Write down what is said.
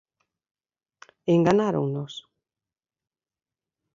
Enganáronnos.